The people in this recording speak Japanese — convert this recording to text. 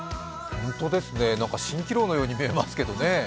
本当ですね、蜃気楼のように見えますけどね。